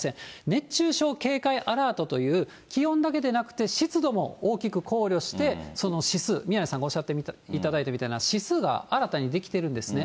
熱中症警戒アラートという、気温だけでなくて、宮根さんがおっしゃっていただいたみたいな指数が新たに出来てるんですね。